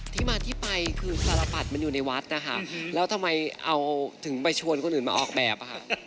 ที่มาที่ไปคือสารปัดมันอยู่ในวัดนะคะแล้วทำไมเอาถึงไปชวนคนอื่นมาออกแบบค่ะ